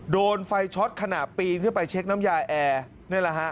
โดนไฟช็อตขณะปีนเพื่อไปเช็คน้ำยาแอร์